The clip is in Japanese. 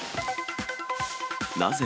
なぜ？